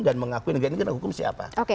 dan mengakui negara ini kena hukum siapa